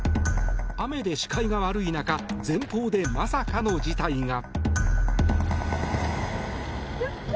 雨で視界が悪い中前方でまさかの事態が。